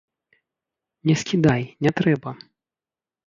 Не скідай, не трэба!